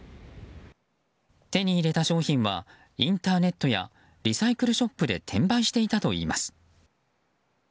手に入れた商品はインターネットやリサイクルショップで転売していたといいます。